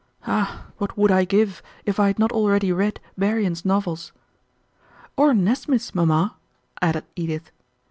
Ah, what would I give if I had not already read Berrian's novels." "Or Nesmyth's, mamma," added Edith.